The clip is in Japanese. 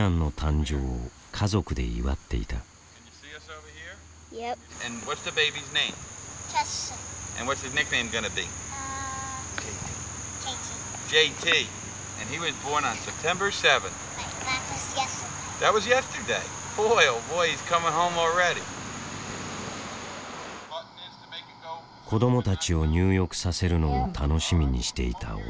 子どもたちを入浴させるのを楽しみにしていた夫。